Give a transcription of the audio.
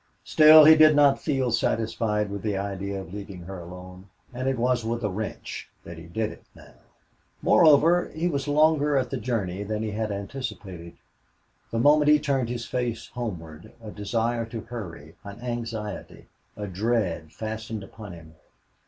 Still he did not feel satisfied with the idea of leaving her alone, and it was with a wrench that he did it now. Moreover, he was longer at the journey than he had anticipated. The moment he turned his face homeward, a desire to hurry, an anxiety, a dread fastened upon him.